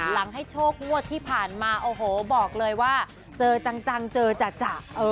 หลังให้โชคงวดที่ผ่านมาโอ้โหบอกเลยว่าเจอจังเจอจ่ะ